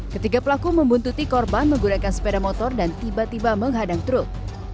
ketiga pelaku membuntuti korban menggunakan sepeda motor dan tiba tiba menghadang truk